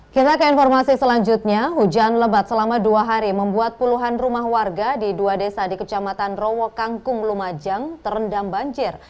kita ke informasi selanjutnya hujan lebat selama dua hari membuat puluhan rumah warga di dua desa di kecamatan rowo kangkung lumajang terendam banjir